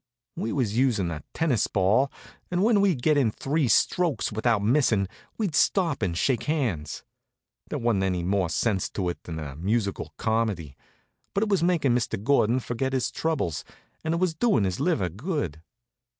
We was using a tennis ball, and when we'd get in three strokes without missing we'd stop and shake hands. There wa'n't any more sense to it than to a musical comedy; but it was makin' Mr. Gordon forget his troubles, and it was doing his liver good.